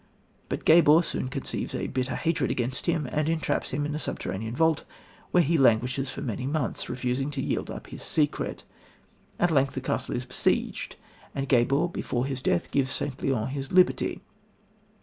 But Gabor soon conceives a bitter hatred against him, and entraps him in a subterranean vault, where he languishes for many months, refusing to yield up his secret. At length the castle is besieged, and Gabor before his death gives St. Leon his liberty.